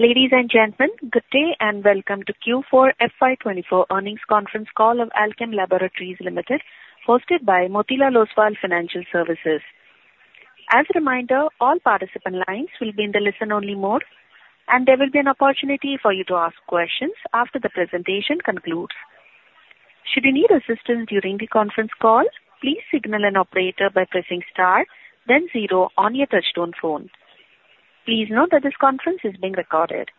Ladies and gentlemen, good day and welcome to Q4 FY 2024 earnings conference call of Alkem Laboratories Limited, hosted by Motilal Oswal Financial Services. As a reminder, all participant lines will be in the listen-only mode, and there will be an opportunity for you to ask questions after the presentation concludes. Should you need assistance during the conference call, please signal an operator by pressing Star, then zero on your touch-tone phone. Please note that this conference is being recorded.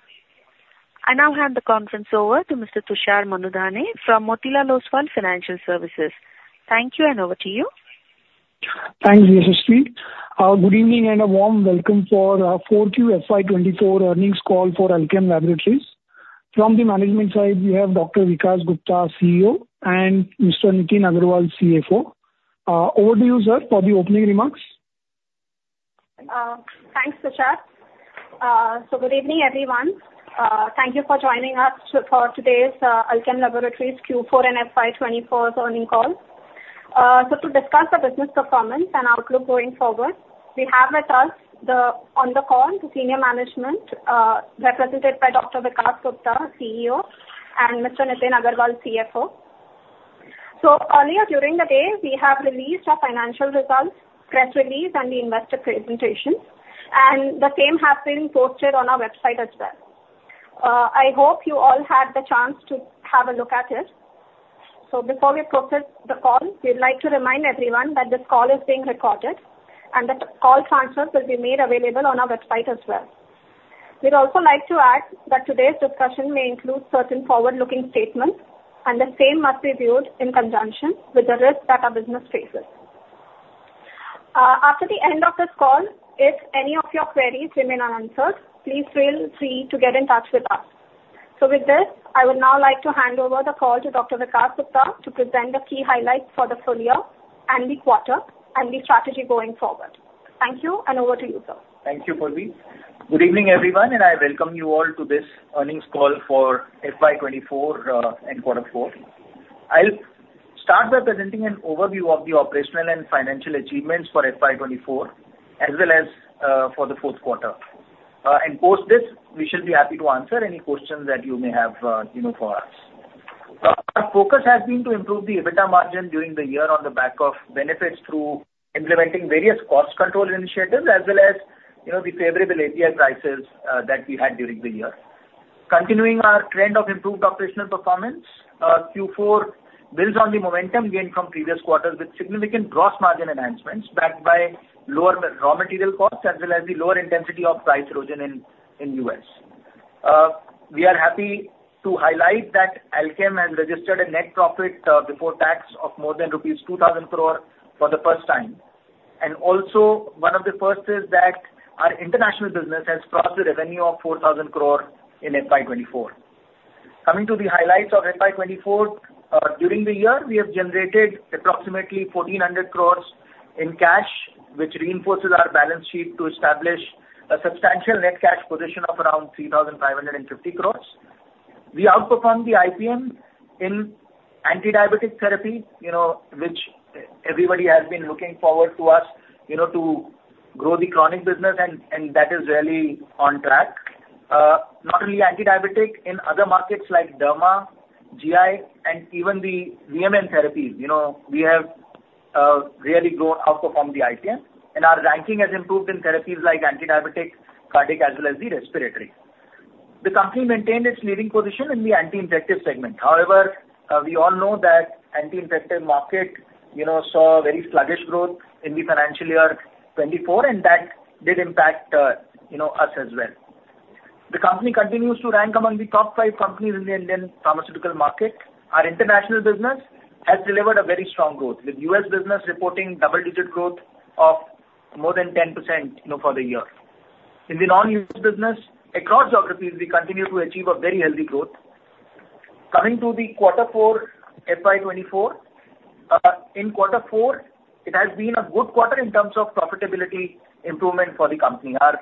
I now hand the conference over to Mr. Tushar Manudhane from Motilal Oswal Financial Services. Thank you, and over to you. Thanks. Good evening and a warm welcome for 4Q FY24 earnings call for Alkem Laboratories. From the management side, we have Dr. Vikas Gupta, CEO, and Mr. Nitin Agrawal, CFO. Over to you, sir, for the opening remarks. Thanks, Tushar. Good evening, everyone. Thank you for joining us for today's Alkem Laboratories Q4 and FY24 earnings call. To discuss the business performance and outlook going forward, we have with us on the call the senior management represented by Dr. Vikas Gupta, CEO, and Mr. Nitin Agrawal, CFO. Earlier during the day, we have released our financial results, press release, and the investor presentation, and the same has been posted on our website as well. I hope you all had the chance to have a look at it. Before we proceed with the call, we'd like to remind everyone that this call is being recorded and that call transcripts will be made available on our website as well. We'd also like to add that today's discussion may include certain forward-looking statements, and the same must be viewed in conjunction with the risks that our business faces. After the end of this call, if any of your queries remain unanswered, please feel free to get in touch with us. So with this, I would now like to hand over the call to Dr. Vikas Gupta to present the key highlights for the full year and the quarter and the strategy going forward. Thank you, and over to you, sir. Thank you, Purvi. Good evening, everyone, and I welcome you all to this earnings call for FY24 and quarter four. I'll start by presenting an overview of the operational and financial achievements for FY24 as well as for the fourth quarter. Post this, we should be happy to answer any questions that you may have for us. Our focus has been to improve the EBITDA margin during the year on the back of benefits through implementing various cost control initiatives as well as the favorable API prices that we had during the year. Continuing our trend of improved operational performance, Q4 builds on the momentum gained from previous quarters with significant gross margin enhancements backed by lower raw material costs as well as the lower intensity of price erosion in the U.S. We are happy to highlight that Alkem has registered a net profit before tax of more than rupees 2,000 crore for the first time. Also, one of the first is that our international business has crossed the revenue of 4,000 crore in FY24. Coming to the highlights of FY24, during the year, we have generated approximately 1,400 crore in cash, which reinforces our balance sheet to establish a substantial net cash position of around 3,550 crore. We outperformed the IPM in antidiabetic therapy, which everybody has been looking forward to us to grow the chronic business, and that is really on track. Not only antidiabetic, in other markets like derma, GI, and even the VMN therapies, we have really outperformed the IPM, and our ranking has improved in therapies like antidiabetic, cardiac, as well as the respiratory. The company maintained its leading position in the anti-infective segment. However, we all know that the anti-infective market saw very sluggish growth in the financial year 2024, and that did impact us as well. The company continues to rank among the top five companies in the Indian pharmaceutical market. Our international business has delivered a very strong growth, with U.S. business reporting double-digit growth of more than 10% for the year. In the non-U.S. business, across geographies, we continue to achieve very healthy growth. Coming to quarter four FY2024, in quarter four, it has been a good quarter in terms of profitability improvement for the company. Our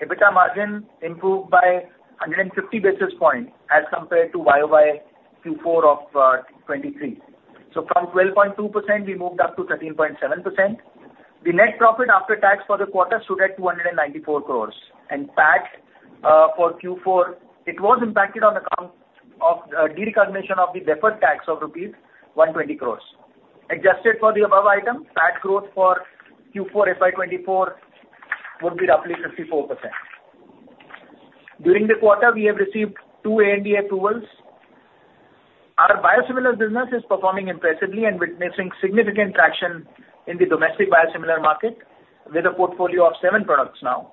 EBITDA margin improved by 150 basis points as compared to year-over-year Q4 of 2023. From 12.2%, we moved up to 13.7%. The net profit after tax for the quarter stood at 294 crore. PAT for Q4, it was impacted on account of derecognition of the deferred tax of rupees 120 crore. Adjusted for the above item, PAT growth for Q4 FY24 would be roughly 54%. During the quarter, we have received two ANDA approvals. Our biosimilar business is performing impressively and witnessing significant traction in the domestic biosimilar market with a portfolio of 7 products now.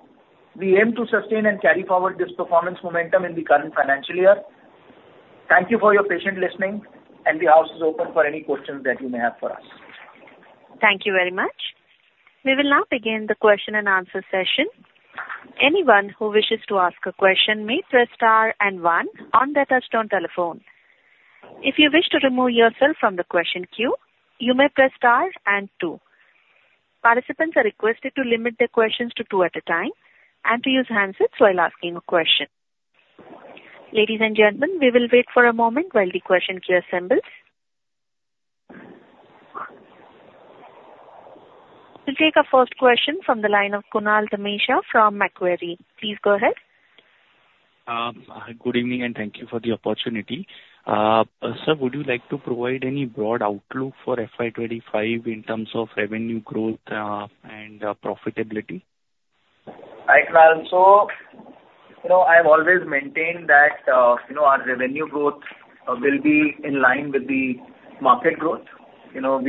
We aim to sustain and carry forward this performance momentum in the current financial year. Thank you for your patience in listening, and the house is open for any questions that you may have for us. Thank you very much. We will now begin the question-and-answer session. Anyone who wishes to ask a question may press star and one on the touch-tone telephone. If you wish to remove yourself from the question queue, you may press star and two. Participants are requested to limit their questions to two at a time and to use handsets while asking a question. Ladies and gentlemen, we will wait for a moment while the question queue assembles. We'll take our first question from the line of Kunal Dhamesha from Macquarie. Please go ahead. Good evening, and thank you for the opportunity. Sir, would you like to provide any broad outlook for FY 2025 in terms of revenue growth and profitability? Hi, Kunal. So I've always maintained that our revenue growth will be in line with the market growth. We will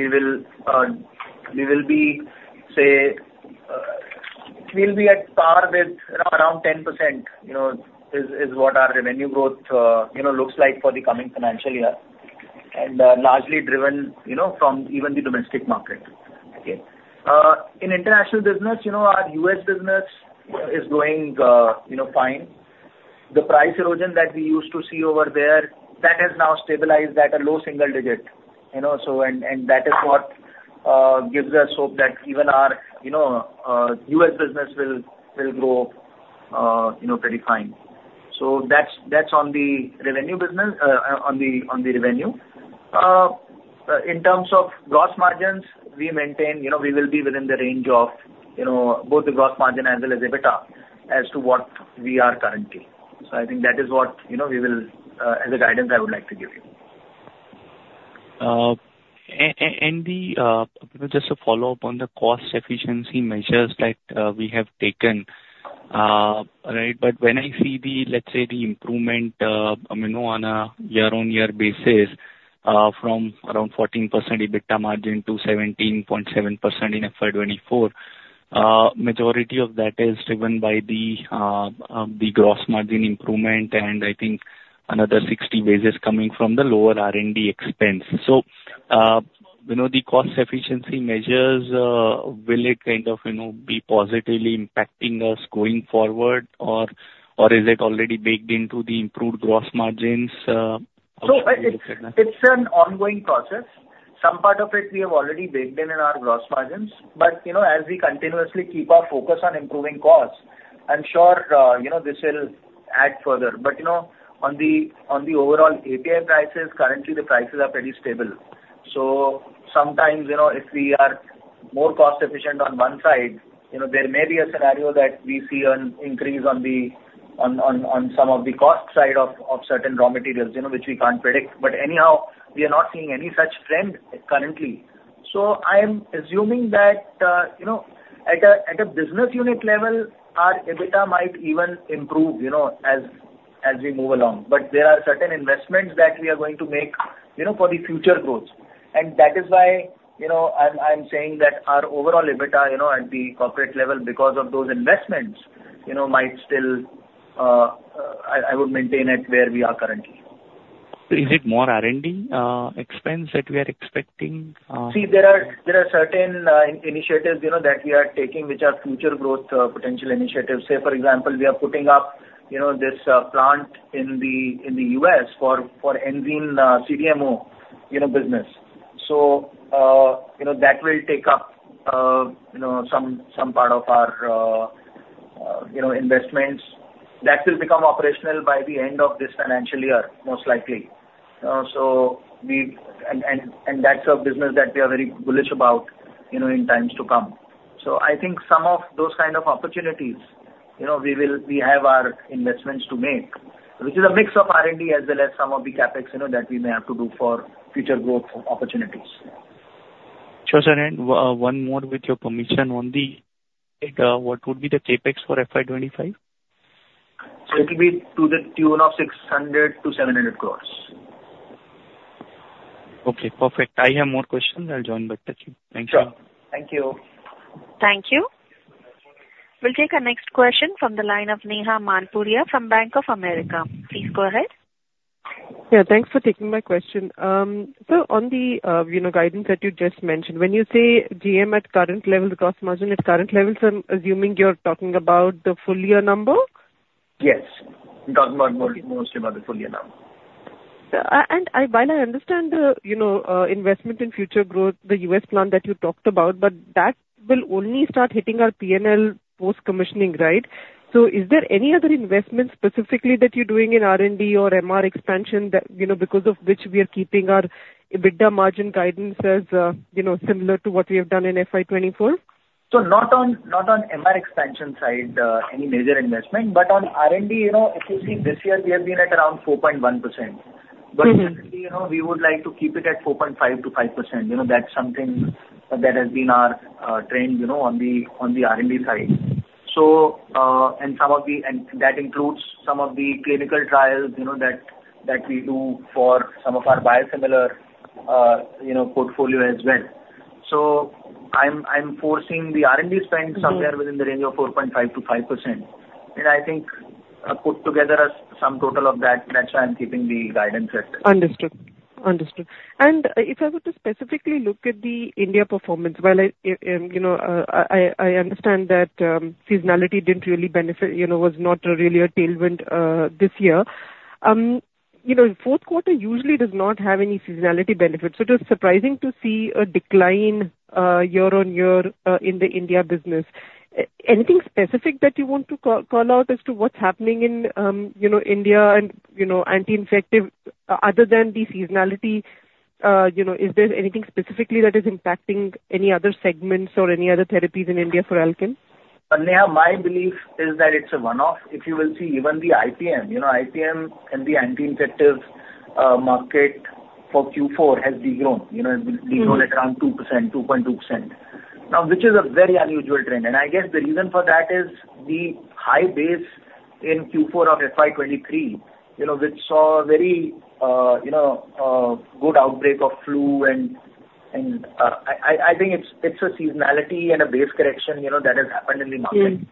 be, say, we'll be at par with around 10% is what our revenue growth looks like for the coming financial year, and largely driven from even the domestic market. In international business, our U.S. business is going fine. The price erosion that we used to see over there, that has now stabilized at a low single digit. And that is what gives us hope that even our U.S. business will grow pretty fine. So that's on the revenue business, on the revenue. In terms of gross margins, we maintain we will be within the range of both the gross margin as well as EBITDA as to what we are currently. So I think that is what we will as a guidance, I would like to give you. Just a follow-up on the cost efficiency measures that we have taken, right? But when I see the, let's say, the improvement on a year-on-year basis from around 14% EBITDA margin to 17.7% in FY 2024, the majority of that is driven by the gross margin improvement and I think another 60 basis coming from the lower R&D expense. So the cost efficiency measures, will it kind of be positively impacting us going forward, or is it already baked into the improved gross margins? So it's an ongoing process. Some part of it, we have already baked in in our gross margins. But as we continuously keep our focus on improving costs, I'm sure this will add further. But on the overall API prices, currently, the prices are pretty stable. So sometimes, if we are more cost-efficient on one side, there may be a scenario that we see an increase on some of the cost side of certain raw materials, which we can't predict. But anyhow, we are not seeing any such trend currently. So I'm assuming that at a business unit level, our EBITDA might even improve as we move along. But there are certain investments that we are going to make for the future growth. That is why I'm saying that our overall EBITDA at the corporate level, because of those investments, might still, I would maintain it where we are currently. Is it more R&D expense that we are expecting? See, there are certain initiatives that we are taking which are future growth potential initiatives. Say, for example, we are putting up this plant in the U.S. for Enzene CDMO business. So that will take up some part of our investments. That will become operational by the end of this financial year, most likely. And that's a business that we are very bullish about in times to come. So I think some of those kind of opportunities, we have our investments to make, which is a mix of R&D as well as some of the CapEx that we may have to do for future growth opportunities. Tushar, and one more with your permission. On the data, what would be the CapEx for FY25? It will be to the tune of 600 crore-700 crore. Okay, perfect. I have more questions. I'll join, but thank you. Thank you. Sure. Thank you. Thank you. We'll take our next question from the line of Neha Manpuria from Bank of America. Please go ahead. Yeah, thanks for taking my question. So on the guidance that you just mentioned, when you say GM at current level, the gross margin at current level, I'm assuming you're talking about the full year number? Yes. I'm talking mostly about the full year number. While I understand the investment in future growth, the U.S. plant that you talked about, but that will only start hitting our P&L post-commissioning, right? So is there any other investment specifically that you're doing in R&D or MR expansion because of which we are keeping our EBITDA margin guidance as similar to what we have done in FY2024? So not on MR expansion side, any major investment. But on R&D, if you see this year, we have been at around 4.1%. But generally, we would like to keep it at 4.5%-5%. That's something that has been our trend on the R&D side. And that includes some of the clinical trials that we do for some of our biosimilar portfolio as well. So I'm forecasting the R&D spend somewhere within the range of 4.5%-5%. And I think put together some total of that, that's why I'm keeping the guidance at. Understood. Understood. And if I were to specifically look at the India performance, while I understand that seasonality didn't really benefit, was not really a tailwind this year, fourth quarter usually does not have any seasonality benefits. So it is surprising to see a decline year-on-year in the India business. Anything specific that you want to call out as to what's happening in India and anti-infective other than the seasonality? Is there anything specifically that is impacting any other segments or any other therapies in India for Alkem? Neha, my belief is that it's a one-off. If you will see even the IPM, IPM and the anti-infective market for Q4 has degrown. It will degrow at around 2%, 2.2%, which is a very unusual trend. And I guess the reason for that is the high base in Q4 of FY 2023, which saw a very good outbreak of flu. And I think it's a seasonality and a base correction that has happened in the market.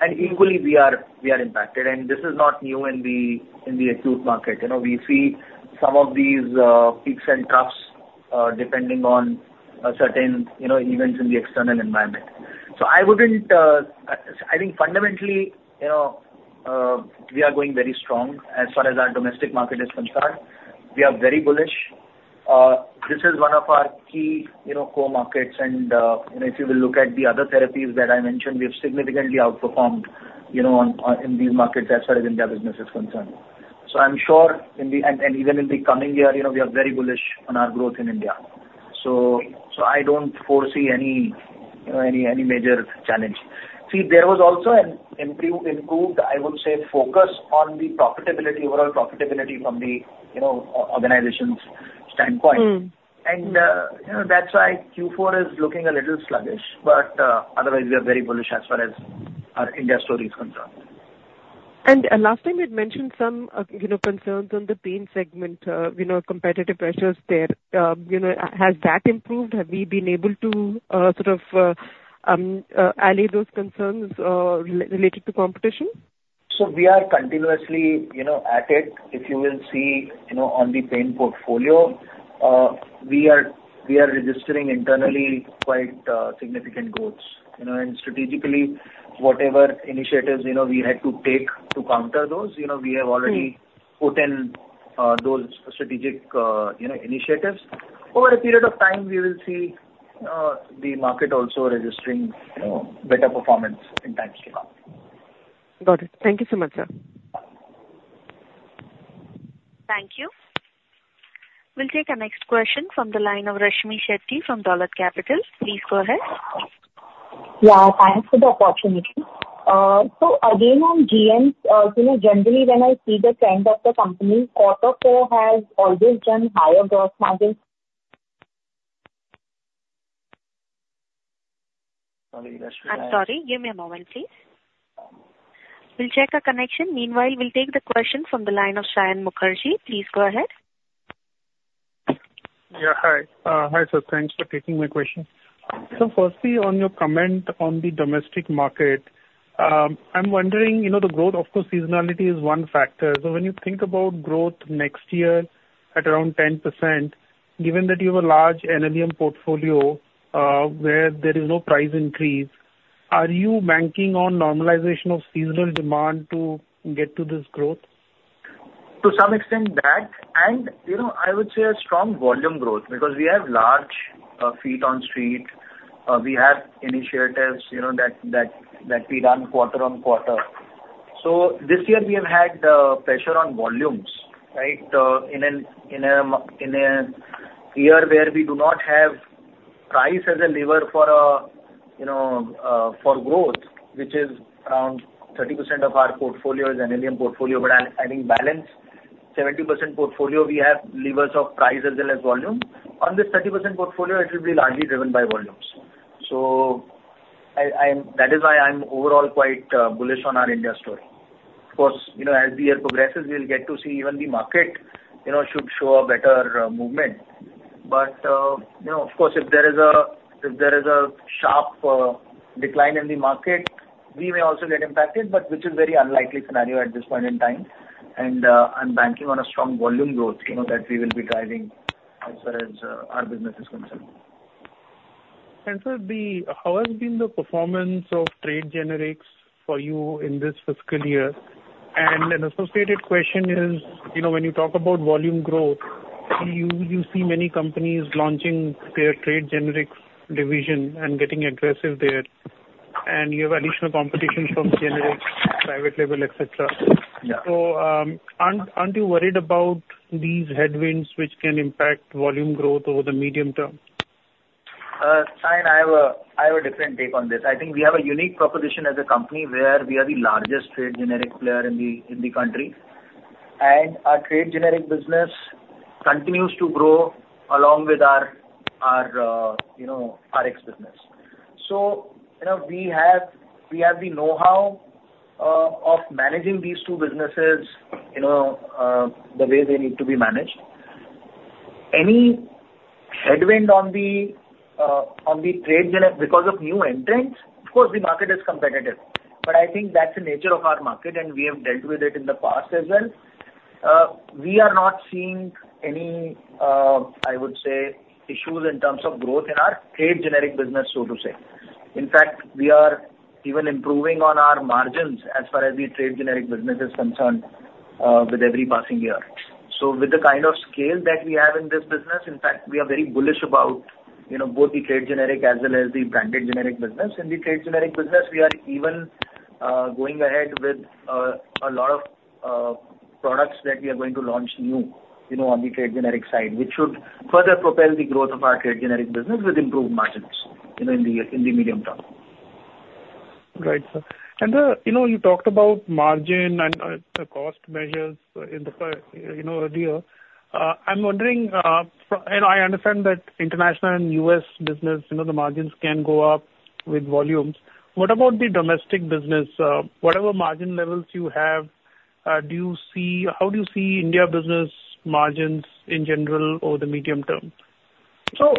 And equally, we are impacted. And this is not new in the acute market. We see some of these peaks and troughs depending on certain events in the external environment. So I think fundamentally, we are going very strong as far as our domestic market is concerned. We are very bullish. This is one of our key core markets. If you will look at the other therapies that I mentioned, we have significantly outperformed in these markets as far as India business is concerned. So I'm sure in the and even in the coming year, we are very bullish on our growth in India. So I don't foresee any major challenge. See, there was also an improved, I would say, focus on the profitability, overall profitability from the organization's standpoint. And that's why Q4 is looking a little sluggish. But otherwise, we are very bullish as far as our India story is concerned. Last time, you'd mentioned some concerns on the pain segment, competitive pressures there. Has that improved? Have we been able to sort of allay those concerns related to competition? We are continuously at it. If you will see on the pain portfolio, we are registering internally quite significant growths. Strategically, whatever initiatives we had to take to counter those, we have already put in those strategic initiatives. Over a period of time, we will see the market also registering better performance in times to come. Got it. Thank you so much, sir. Thank you. We'll take our next question from the line of Rashmi Shetty from Dolat Capital. Please go ahead. Yeah, thanks for the opportunity. So again, on GM, generally, when I see the trend of the company, quarter four has always done higher gross margins. Sorry, Rashmmi. I'm sorry. Give me a moment, please. We'll check our connection. Meanwhile, we'll take the question from the line of Saion Mukherjee. Please go ahead. Yeah, hi. Hi, sir. Thanks for taking my question. So firstly, on your comment on the domestic market, I'm wondering, the growth, of course, seasonality is one factor. So when you think about growth next year at around 10%, given that you have a large NLEM portfolio where there is no price increase, are you banking on normalization of seasonal demand to get to this growth? To some extent, that. And I would say a strong volume growth because we have large feet on street. We have initiatives that we run quarter on quarter. So this year, we have had pressure on volumes, right, in a year where we do not have price as a lever for growth, which is around 30% of our portfolio is NLEM portfolio. But I think balanced 70% portfolio, we have levers of price as well as volume. On this 30% portfolio, it will be largely driven by volumes. So that is why I'm overall quite bullish on our India story. Of course, as the year progresses, we'll get to see even the market should show a better movement. But of course, if there is a sharp decline in the market, we may also get impacted, but which is a very unlikely scenario at this point in time. I'm banking on a strong volume growth that we will be driving as far as our business is concerned. How has been the performance of trade generics for you in this fiscal year? And an associated question is, when you talk about volume growth, you see many companies launching their trade generics division and getting aggressive there. And you have additional competition from generics, private label, etc. So aren't you worried about these headwinds which can impact volume growth over the medium term? Saion, I have a different take on this. I think we have a unique proposition as a company where we are the largest trade generic player in the country. Our trade generic business continues to grow along with our RX business. We have the know-how of managing these two businesses the way they need to be managed. Any headwind on the trade because of new entrants, of course, the market is competitive. I think that's the nature of our market, and we have dealt with it in the past as well. We are not seeing any, I would say, issues in terms of growth in our trade generic business, so to say. In fact, we are even improving on our margins as far as the trade generic business is concerned with every passing year. So with the kind of scale that we have in this business, in fact, we are very bullish about both the trade generic as well as the branded generic business. In the trade generic business, we are even going ahead with a lot of products that we are going to launch new on the trade generic side, which should further propel the growth of our trade generic business with improved margins in the medium term. Right, sir. You talked about margin and cost measures earlier. I'm wondering, I understand that international and U.S. business, the margins can go up with volumes. What about the domestic business? Whatever margin levels you have, how do you see India business margins in general over the medium term? So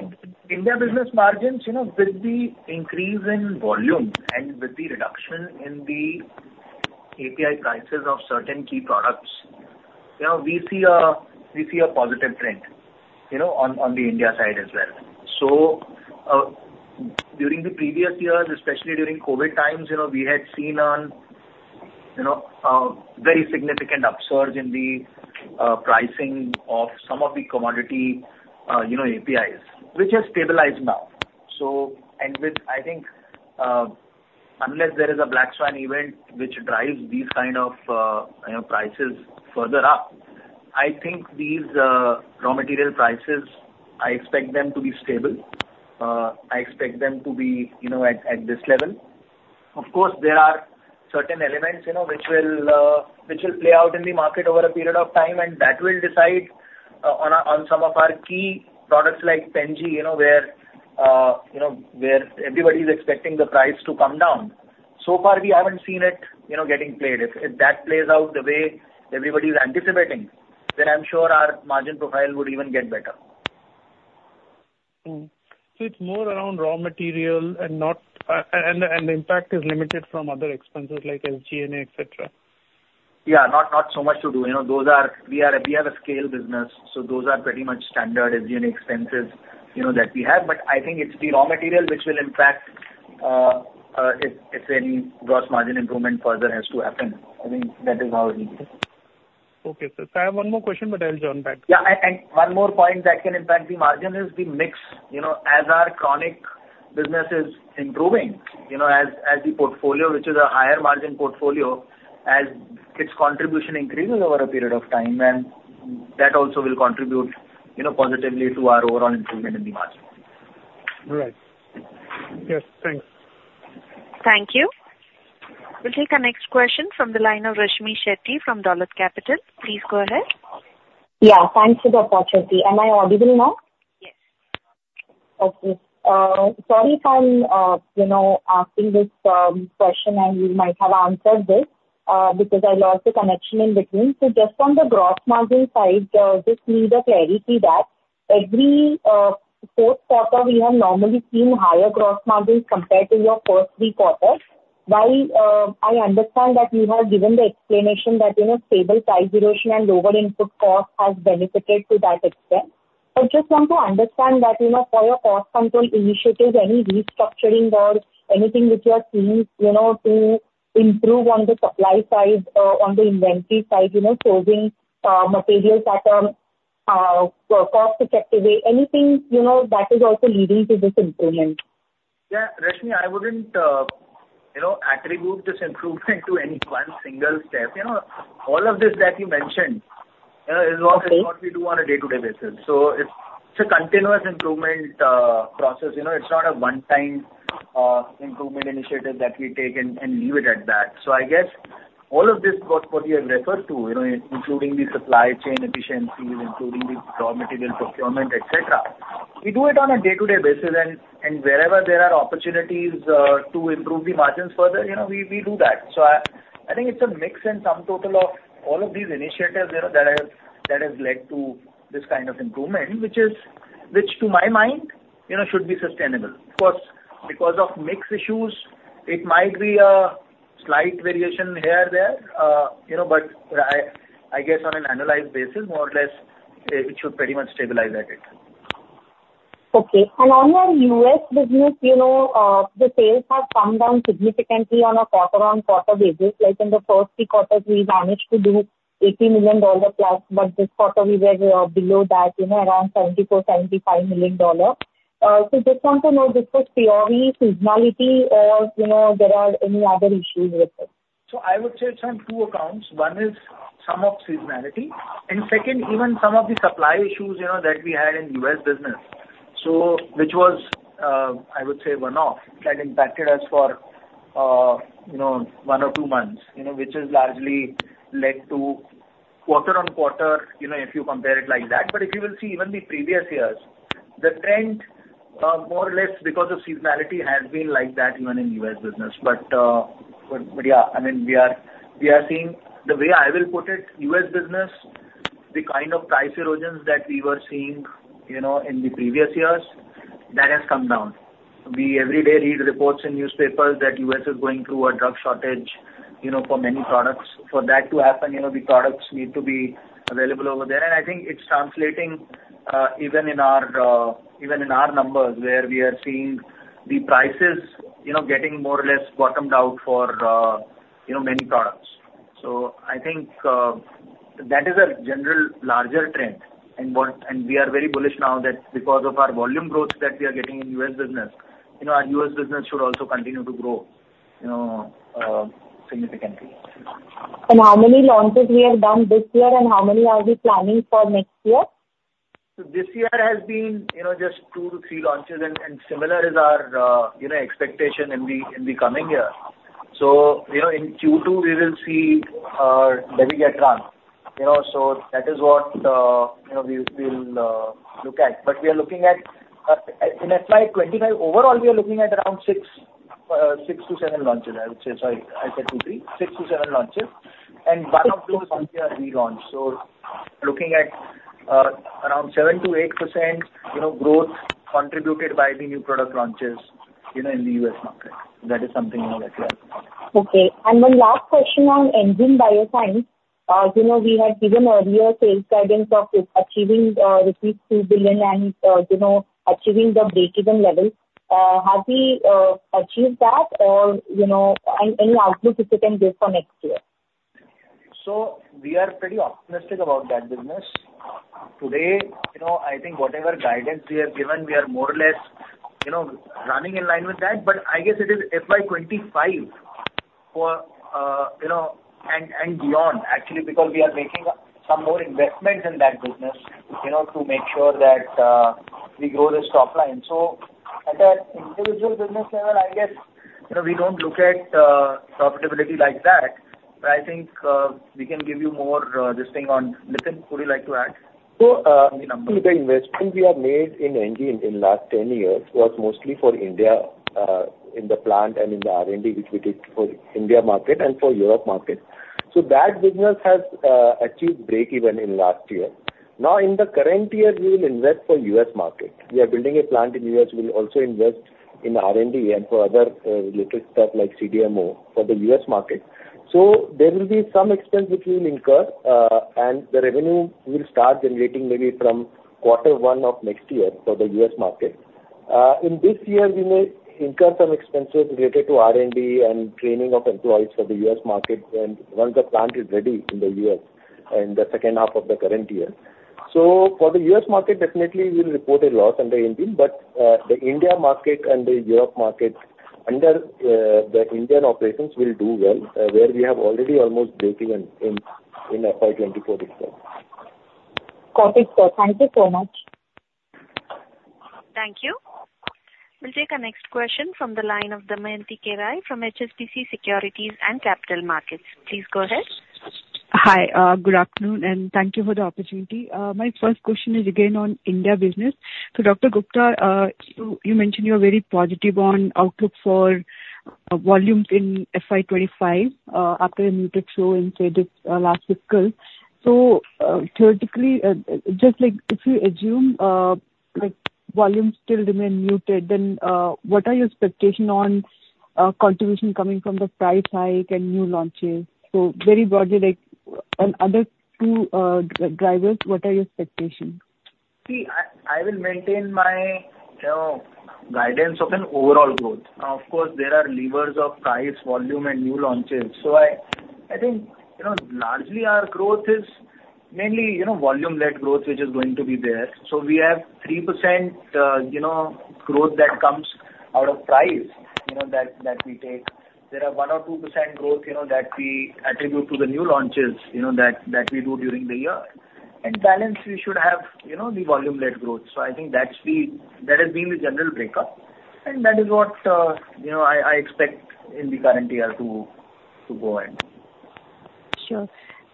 India business margins, with the increase in volume and with the reduction in the API prices of certain key products, we see a positive trend on the India side as well. So during the previous years, especially during COVID times, we had seen a very significant upsurge in the pricing of some of the commodity APIs, which has stabilized now. And I think unless there is a black swan event which drives these kind of prices further up, I think these raw material prices, I expect them to be stable. I expect them to be at this level. Of course, there are certain elements which will play out in the market over a period of time, and that will decide on some of our key products like Pen G where everybody is expecting the price to come down. So far, we haven't seen it getting played. If that plays out the way everybody is anticipating, then I'm sure our margin profile would even get better. It's more around raw material and the impact is limited from other expenses like SG&A, etc.? Yeah, not so much to do. We have a scale business, so those are pretty much standard SG&A expenses that we have. But I think it's the raw material which will impact if any gross margin improvement further has to happen. I think that is how it will be. Okay, sir. So I have one more question, but I'll join back. Yeah, and one more point that can impact the margin is the mix. As our chronic business is improving, as the portfolio, which is a higher margin portfolio, as its contribution increases over a period of time, then that also will contribute positively to our overall improvement in the margin. Right. Yes, thanks. Thank you. We'll take our next question from the line of Rashmi Shetty from Dolat Capital. Please go ahead. Yeah, thanks for the opportunity. Am I audible now? Yes. Okay. Sorry if I'm asking this question, and you might have answered this because I lost the connection in between. So just on the gross margin side, just need a clarity that every fourth quarter, we have normally seen higher gross margins compared to your first three quarters. While I understand that you have given the explanation that stable price erosion and lower input cost has benefited to that extent, I just want to understand that for your cost control initiatives, any restructuring or anything which you are seeing to improve on the supply side, on the inventory side, sourcing materials at a cost-effective way, anything that is also leading to this improvement? Yeah, Rashmi, I wouldn't attribute this improvement to any one single step. All of this that you mentioned is also what we do on a day-to-day basis. So it's a continuous improvement process. It's not a one-time improvement initiative that we take and leave it at that. So I guess all of this, what you have referred to, including the supply chain efficiencies, including the raw material procurement, etc., we do it on a day-to-day basis. And wherever there are opportunities to improve the margins further, we do that. So I think it's a mix and some total of all of these initiatives that has led to this kind of improvement, which to my mind should be sustainable. Of course, because of mix issues, it might be a slight variation here or there. But I guess on an analyzed basis, more or less, it should pretty much stabilize at it. Okay. And on your U.S. business, the sales have come down significantly on a quarter-on-quarter basis. In the first three quarters, we managed to do $80 million plus, but this quarter, we were below that, around $74 million-$75 million. So just want to know, this was purely seasonality, or there are any other issues with it? So I would say it's on two accounts. One is some of seasonality. And second, even some of the supply issues that we had in U.S. business, which was, I would say, one-off, that impacted us for one or two months, which has largely led to quarter-on-quarter if you compare it like that. But if you will see even the previous years, the trend, more or less, because of seasonality, has been like that even in U.S. business. But yeah, I mean, we are seeing the way I will put it, U.S. business, the kind of price erosions that we were seeing in the previous years, that has come down. We every day read reports in newspapers that U.S. is going through a drug shortage for many products. For that to happen, the products need to be available over there. I think it's translating even in our numbers where we are seeing the prices getting more or less bottomed out for many products. I think that is a general larger trend. We are very bullish now that because of our volume growth that we are getting in U.S. business, our U.S. business should also continue to grow significantly. How many launches we have done this year, and how many are we planning for next year? So this year has been just two to three launches, and similar is our expectation in the coming year. So in Q2, we will see our bigger trend. So that is what we'll look at. But we are looking at in FY25, overall, we are looking at around six to seven launches, I would say. Sorry, I said two to three. Six to seven launches. And one of those next year, we launch. So looking at around 7%-8% growth contributed by the new product launches in the U.S. market. That is something that we are looking at. Okay. And one last question on Enzene Biosciences. We had given earlier sales guidance of achieving rupees 2 billion and achieving the break-even level. Have we achieved that, or any outlook if we can give for next year? So we are pretty optimistic about that business. Today, I think whatever guidance we have given, we are more or less running in line with that. But I guess it is FY25 and beyond, actually, because we are making some more investments in that business to make sure that we grow the top line. So at that individual business level, I guess we don't look at profitability like that. But I think we can give you more on this. Nitin, would you like to add? So the numbers. So the investment we have made in Enzene in the last 10 years was mostly for India in the plant and in the R&D, which we did for India market and for Europe market. So that business has achieved break-even in last year. Now, in the current year, we will invest for U.S market. We are building a plant in the U.S. We will also invest in R&D and for other related stuff like CDMO for the U.S. market. So there will be some expense which we will incur, and the revenue will start generating maybe from quarter one of next year for the U.S. market. In this year, we may incur some expenses related to R&D and training of employees for the U.S. market when the plant is ready in the U.S. in the second half of the current year. So for the U.S. market, definitely, we will report a loss under Enzene. But the India market and the Europe market under the Indian operations will do well, where we have already almost break-even in FY 2024 itself. Got it, sir. Thank you so much. Thank you. We'll take our next question from the line of Damayanti Kerai from HSBC Securities and Capital Markets. Please go ahead. Hi. Good afternoon, and thank you for the opportunity. My first question is again on India business. So Dr. Gupta, you mentioned you're very positive on outlook for volumes in FY25 after a muted slowdown in FY24 last fiscal. So theoretically, just if you assume volumes still remain muted, then what are your expectations on contribution coming from the price hike and new launches? So very broadly, and other two drivers, what are your expectations? See, I will maintain my guidance of an overall growth. Of course, there are levers of price, volume, and new launches. So I think largely, our growth is mainly volume-led growth, which is going to be there. So we have 3% growth that comes out of price that we take. There are one or 2% growth that we attribute to the new launches that we do during the year. And balance, we should have the volume-led growth. So I think that has been the general break-up, and that is what I expect in the current year to go ahead. Sure.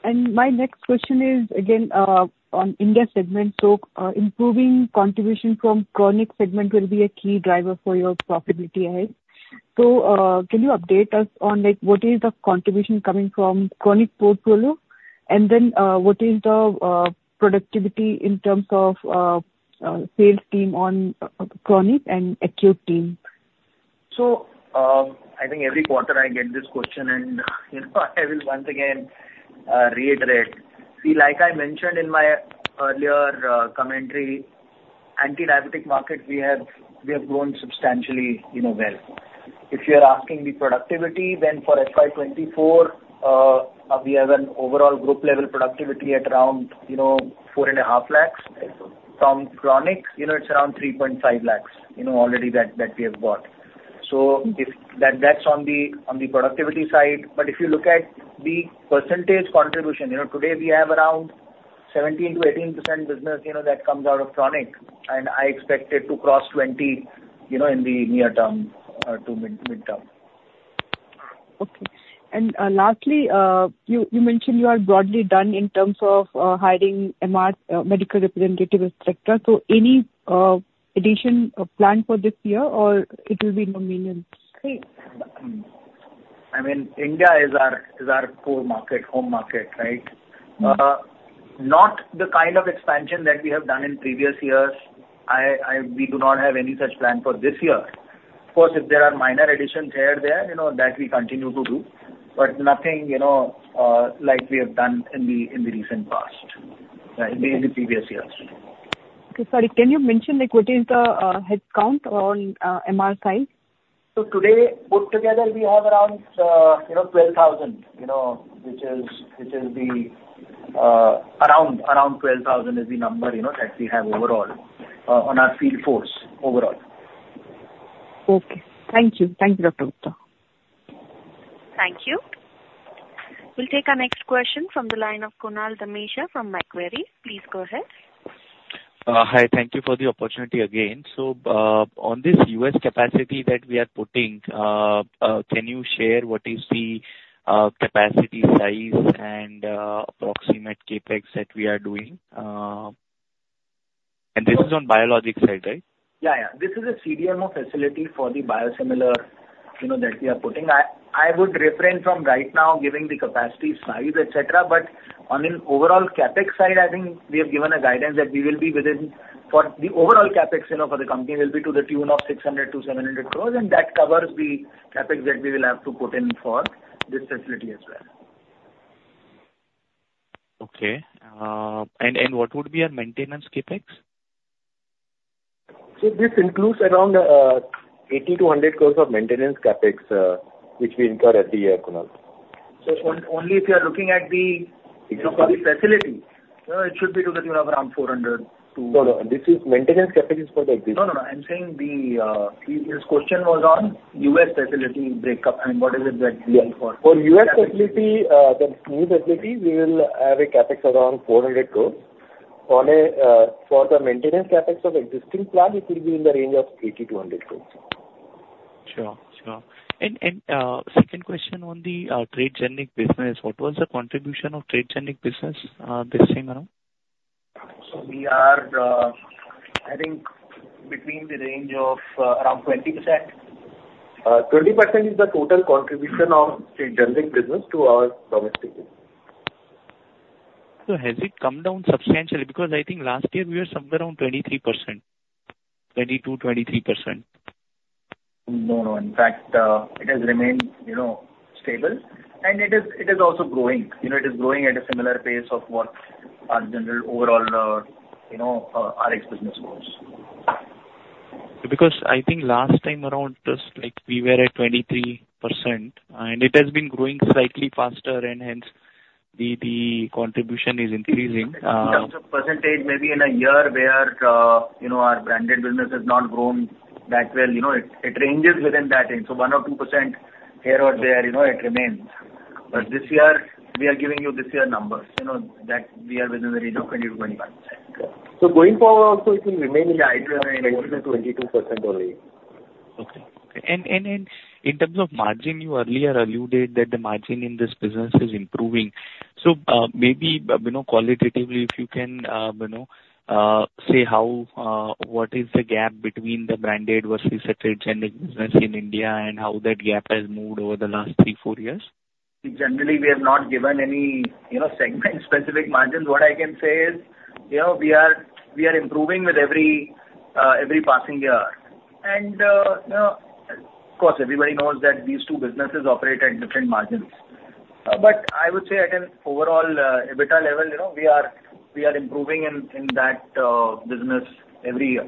My next question is again on India segment. Improving contribution from chronic segment will be a key driver for your profitability, I guess. Can you update us on what is the contribution coming from chronic portfolio, and then what is the productivity in terms of sales team on chronic and acute team? So I think every quarter, I get this question, and I will once again reiterate. See, like I mentioned in my earlier commentary, antidiabetic markets, we have grown substantially well. If you are asking the productivity, then for FY24, we have an overall group-level productivity at around 4.5 lakhs. From chronic, it's around 3.5 lakhs already that we have bought. So that's on the productivity side. But if you look at the percentage contribution, today, we have around 17%-18% business that comes out of chronic, and I expect it to cross 20% in the near term to mid term. Okay. Lastly, you mentioned you are broadly done in terms of hiring MR, medical representative, etc. Any addition planned for this year, or it will be no meaning? See, I mean, India is our core market, home market, right? Not the kind of expansion that we have done in previous years. We do not have any such plan for this year. Of course, if there are minor additions here or there, that we continue to do, but nothing like we have done in the recent past, right, in the previous years. Okay. Sorry, can you mention what is the headcount on MR size? Today, put together, we have around 12,000, which is the number that we have overall on our field force overall. Okay. Thank you. Thank you, Dr. Gupta. Thank you. We'll take our next question from the line of Kunal Dhamesha from Macquarie. Please go ahead. Hi. Thank you for the opportunity again. So on this U.S. capacity that we are putting, can you share what is the capacity size and approximate Capex that we are doing? And this is on biologic side, right? Yeah, yeah. This is a CDMO facility for the biosimilar that we are putting. I would differentiate from right now giving the capacity size, etc. But on an overall CapEx side, I think we have given a guidance that we will be within for the overall CapEx for the company will be to the tune of 600 crore-700 crore, and that covers the CapEx that we will have to put in for this facility as well. Okay. What would be our maintenance CapEx? See, this includes around 80 crores-100 crores of maintenance CapEx, which we incur every year, Kunal. So only if you are looking at the facility, it should be to the tune of around 400 to. No, no. This is maintenance CapEx is for the existing. No, no, no. I'm saying this question was on U.S. facility breakup. I mean, what is it that we need for? For U.S. facility, the new facility, we will have a CapEx around 400 crores. For the maintenance CapEx of existing plant, it will be in the range of 80-100 crores. Sure, sure. And second question on the trade generic business, what was the contribution of trade generic business this time around? So we are, I think, between the range of around 20%. 20% is the total contribution of trade generic business to our domestic business. So has it come down substantially? Because I think last year, we were somewhere around 23%, 22, 23%. No, no. In fact, it has remained stable, and it is also growing. It is growing at a similar pace of what our general overall RX business goes. Because I think last time, around this, we were at 23%, and it has been growing slightly faster, and hence, the contribution is increasing. In terms of percentage, maybe in a year where our branded business has not grown that well, it ranges within that range. So one or 2% here or there, it remains. But this year, we are giving you this year numbers that we are within the range of 20%-25%. So going forward also, it will remain in the range of 20%-22% only. Okay, okay. And in terms of margin, you earlier alluded that the margin in this business is improving. So maybe qualitatively, if you can say what is the gap between the branded versus a trade generic business in India and how that gap has moved over the last three, four years? See, generally, we have not given any segment-specific margins. What I can say is we are improving with every passing year. Of course, everybody knows that these two businesses operate at different margins. I would say at an overall EBITDA level, we are improving in that business every year.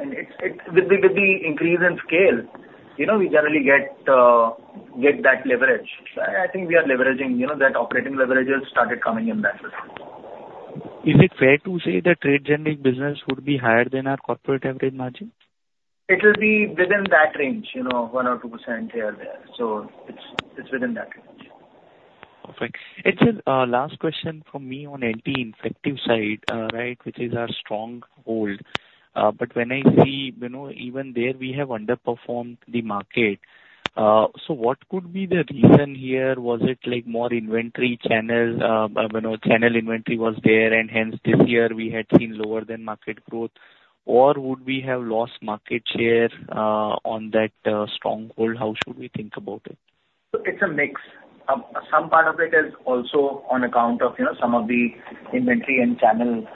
With the increase in scale, we generally get that leverage. I think we are leveraging that. Operating leverage has started coming in that way. Is it fair to say that trade generics business would be higher than our corporate average margin? It will be within that range, 1% or 2% here or there. So it's within that range. Perfect. It's a last question from me on anti-infective side, right, which is our strong hold. But when I see even there, we have underperformed the market. So what could be the reason here? Was it more inventory channel? Channel inventory was there, and hence, this year, we had seen lower-than-market growth, or would we have lost market share on that strong hold? How should we think about it? So it's a mix. Some part of it is also on account of some of the inventory and channel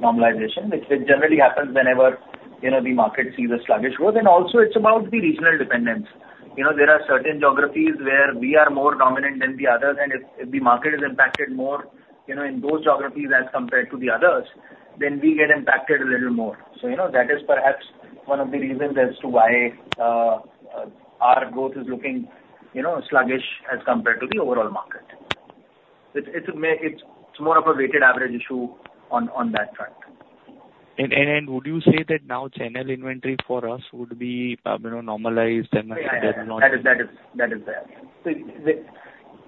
normalization, which generally happens whenever the market sees a sluggish growth. And also, it's about the regional dependence. There are certain geographies where we are more dominant than the others, and if the market is impacted more in those geographies as compared to the others, then we get impacted a little more. So that is perhaps one of the reasons as to why our growth is looking sluggish as compared to the overall market. It's more of a weighted average issue on that front. Would you say that now channel inventory for us would be normalized than the channel launch? Yeah, yeah. That is the answer. So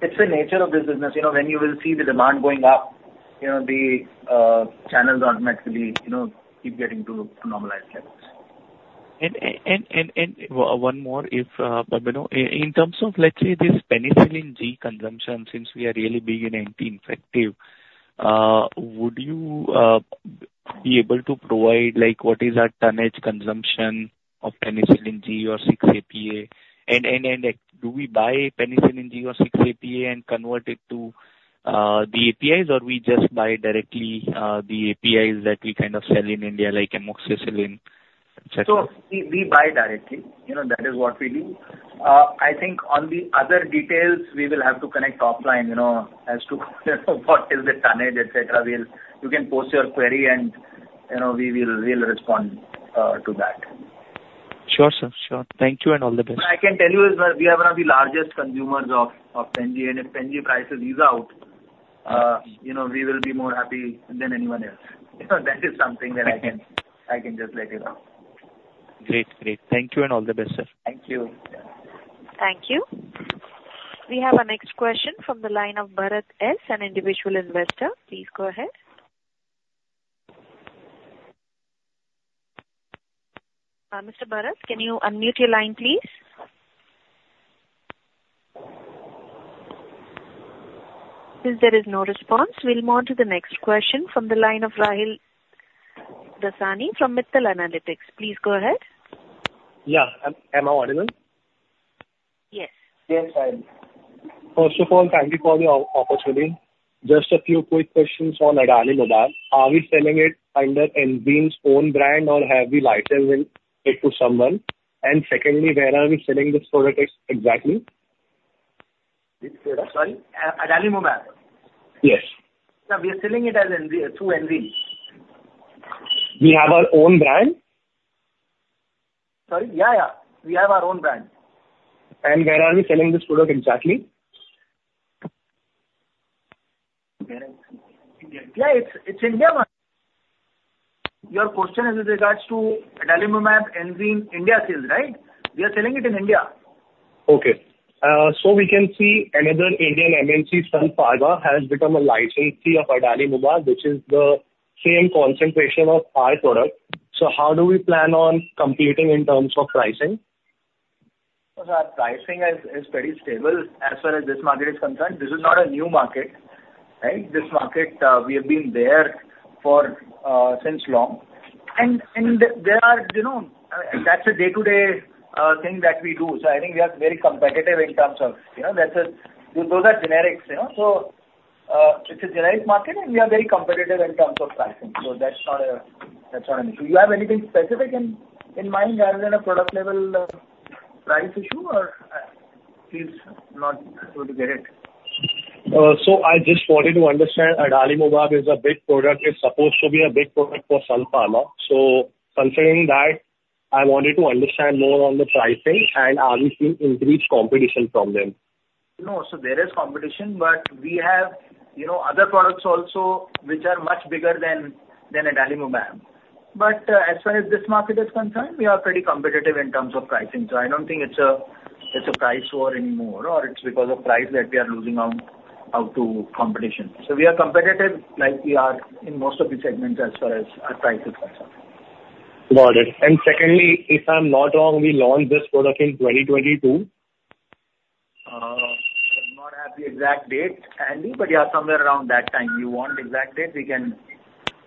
it's the nature of this business. When you will see the demand going up, the channels automatically keep getting to normalized levels. And one more, in terms of, let's say, this Penicillin G consumption, since we are really big in anti-infective, would you be able to provide what is our tonnage consumption of Penicillin G or 6-APA? And do we buy Penicillin G or 6-APA and convert it to the APIs, or we just buy directly the APIs that we kind of sell in India like Amoxicillin, etc.? So we buy directly. That is what we do. I think on the other details, we will have to connect offline as to what is the tonnage, etc. You can post your query, and we will respond to that. Sure, sir. Sure. Thank you and all the best. And I can tell you, we are one of the largest consumers of Penicillin G, and if Penicillin G prices ease out, we will be more happy than anyone else. That is something that I can just let you know. Great, great. Thank you and all the best, sir. Thank you. Thank you. We have our next question from the line of Bharat S., an individual investor. Please go ahead. Mr. Bharat, can you unmute your line, please? Since there is no response, we'll move on to the next question from the line of Rahil Dasani from Mittal Analytics. Please go ahead. Yeah. Am I audible? Yes. Yes, Rahil. First of all, thank you for the opportunity. Just a few quick questions on Adalimumab. Are we selling it under Enzyme's own brand, or have we licensed it to someone? And secondly, where are we selling this product exactly? Sorry? Adalimumab? Yes. We are selling it through Enzene. We have our own brand? Sorry? Yeah, yeah. We have our own brand. Where are we selling this product exactly? Yeah, it's India one. Your question is with regards to Adalimumab Enzene India sales, right? We are selling it in India. Okay. So we can see another Indian MNC, Sun Pharma, has become a licensee of Adalimumab, which is the same concentration of our product. So how do we plan on competing in terms of pricing? Our pricing is pretty stable as far as this market is concerned. This is not a new market, right? This market, we have been there since long. And there are that's a day-to-day thing that we do. So I think we are very competitive in terms of those are generics. So it's a generic market, and we are very competitive in terms of pricing. So that's not an issue. Do you have anything specific in mind other than a product-level price issue, or it's not good to get it? So I just wanted to understand, Adalimumab is a big product. It's supposed to be a big product for Sun Pharma. So considering that, I wanted to understand more on the pricing, and are we seeing increased competition from them? No, so there is competition, but we have other products also which are much bigger than Adalimumab. As far as this market is concerned, we are pretty competitive in terms of pricing. I don't think it's a price war anymore, or it's because of price that we are losing out to competition. We are competitive like we are in most of the segments as far as our price is concerned. Got it. Secondly, if I'm not wrong, we launched this product in 2022? I will not have the exact date, Andy, but yeah, somewhere around that time. You want the exact date? We can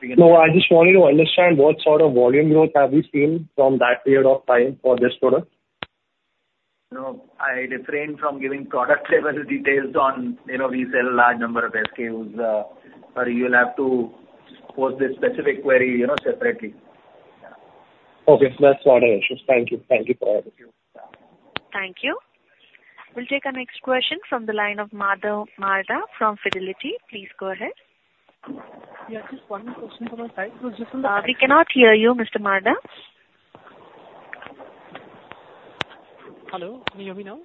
do. No, I just wanted to understand what sort of volume growth have we seen from that period of time for this product? No, I refrain from giving product-level details on what we sell a large number of SKUs, or you'll have to pose this specific query separately. Okay. That's not an issue. Thank you. Thank you for having me. Thank you. We'll take our next question from the line of Madhav Marda from Fidelity. Please go ahead. Yeah, just one question from my side. It was just on the. We cannot hear you, Mr. Marda. Hello? Can you hear me now?